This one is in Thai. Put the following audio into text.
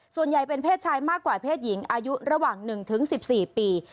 ส่วนใหญ่เป็นเพศชายมากกว่าเพศหญิงอายุระหว่าง๑๑๔ปี